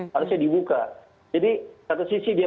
harusnya dibuka jadi satu sisi dia